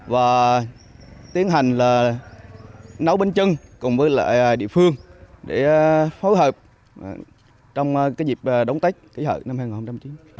và tiến hành nấu bánh trưng cùng với địa phương để phối hợp trong dịp đón tết kỷ hợp năm hai nghìn một mươi chín